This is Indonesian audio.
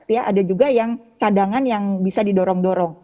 ya ada juga yang cadangan yang bisa didorong dorong